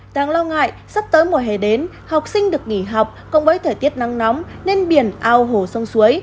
đáng lo ngại sắp tới mùa hè đến học sinh được nghỉ học cùng với thời tiết nắng nóng nên biển ao hồ sông suối